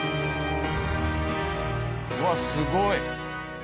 うわっすごい。